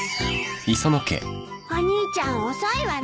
お兄ちゃん遅いわねえ。